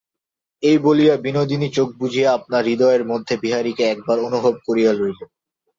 এই বলিয়া বিনোদিনী চোখ বুজিয়া আপনার হৃদয়ের মধ্যে বিহারীকে একবার অনুভব করিয়া লইল।